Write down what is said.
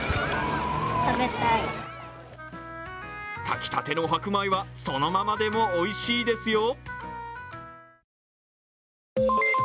炊きたての白米は、そのままでもおいしいですよ。